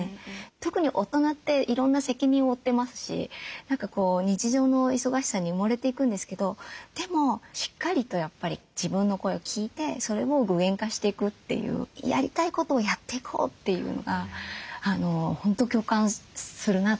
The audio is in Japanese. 特に大人っていろんな責任を負ってますし日常の忙しさに埋もれていくんですけどでもしっかりとやっぱり自分の声を聞いてそれを具現化していくっていうやりたいことをやっていこうっていうのが本当共感するなと思いました。